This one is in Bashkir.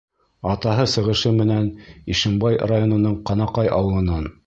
Атаһы сығышы менән Ишембай районының Ҡанаҡай ауылынан.